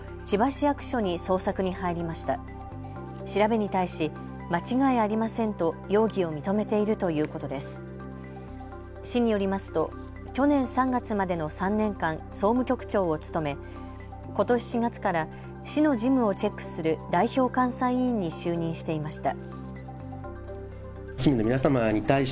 市によりますと去年３月までの３年間、総務局長を務めことし４月から市の事務をチェックする代表監査委員に就任していました。